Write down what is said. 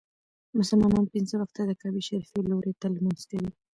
مسلمانان پنځه وخته د کعبې شريفي لوري ته لمونځ کوي.